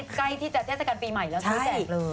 ใกล้ที่จะเทศกาลปีใหม่แล้วซื้อแจกเลย